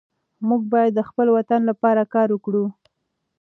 موږ باید د خپل وطن لپاره کار وکړو.